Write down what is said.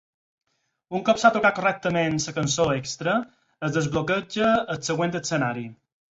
Un cop s'ha tocat correctament la cançó extra, es desbloqueja el següent escenari.